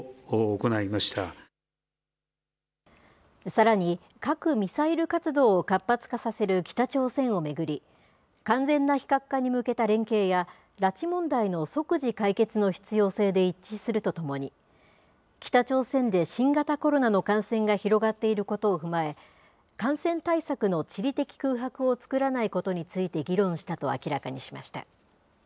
さらに、核・ミサイル活動を活発化させる北朝鮮を巡り、完全な非核化に向けた連携や拉致問題の即時解決の必要性で一致するとともに、北朝鮮で新型コロナの感染が広がっていることを踏まえ、感染対策の地理的空白を作らないことについて議論したと明らかにしました。